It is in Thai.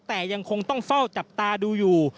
แต่ยังคงต้องเฝ้าจับตาดูอยู่